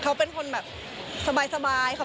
เขาเป็นคนแบบสบายค่ะ